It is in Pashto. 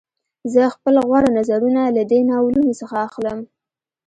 زه خپل غوره نظرونه له دې ناولونو څخه اخلم